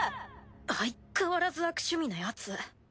相変わらず悪趣味なヤツ。